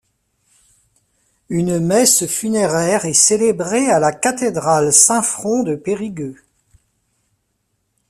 Une messe funéraire est célébrée à la cathédrale Saint-Front de Périgueux.